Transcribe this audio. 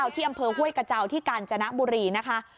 ที่อำเภอห้วยกระเจ้าที่กาญจนบุรีนะคะ